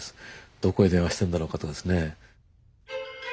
どこへ電話してるんだろうかとかですね。